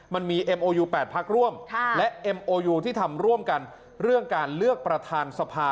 โปรยูที่ทำร่วมกันเรื่องการเลือกประธานสภา